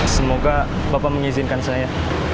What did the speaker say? semoga bapak mengizinkan saya